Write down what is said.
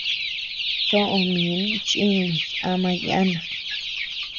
Soʼö min chìnus ama yana.